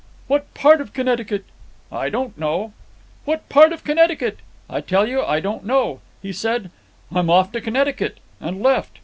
"What part of Connecticut?" "I don't know." "What part of Connecticut?" "I tell you I don't know. He said: 'I'm off to Connecticut,' and left."